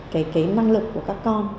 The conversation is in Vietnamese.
cái năng lực của các con